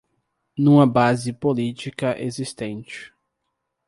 Numa base política existente